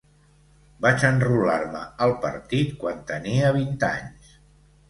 Vaig enrolar-me al partit quan tenia vint anys.